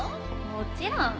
もちろん。